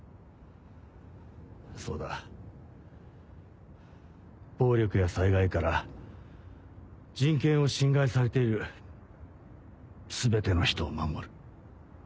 そうだ暴力や災害から人権を侵害されている全ての人を守る。